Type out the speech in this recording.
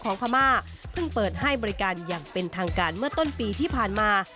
พม่าเพิ่งเปิดให้บริการอย่างเป็นทางการเมื่อต้นปีที่ผ่านมา